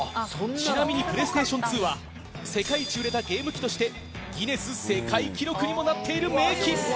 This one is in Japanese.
ちなみにＰｌａｙＳｔａｔｉｏｎ２は世界一売れたゲーム機としてギネス世界記録にもなっている名機。